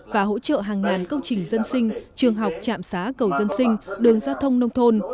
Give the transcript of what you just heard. và hỗ trợ hàng ngàn công trình dân sinh trường học trạm xá cầu dân sinh đường giao thông nông thôn